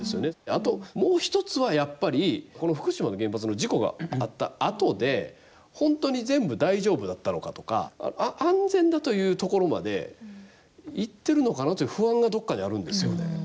あと、もう１つは、やっぱり福島の原発の事故があったあとで本当に全部大丈夫だったのかとか安全だというところまでいってるのかなという不安がどこかにあるんですよね。